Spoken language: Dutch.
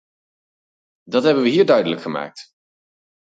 Dat hebben we hier duidelijk gemaakt.